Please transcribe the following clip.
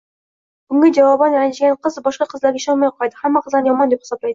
Bunga javoban ranjigan qiz boshqa qizlarga ishonmay qo‘yadi, hamma qizlarni yomon, deb hisoblaydi.